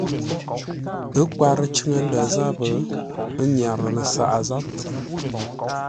Ə́ nkwarə́ cʉŋə ndə̂ záp, ə́ nyárə́ ləsaʼá yé.